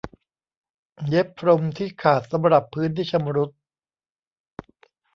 เย็บพรมที่ขาดสำหรับพื้นที่ชำรุด